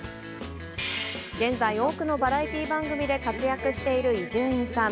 現在、多くのバラエティー番組で活躍している伊集院さん。